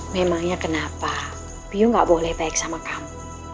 memangnya kenapa bium tidak boleh baik sama kamu